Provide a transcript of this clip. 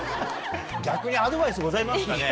逆にアドバイスございますかね？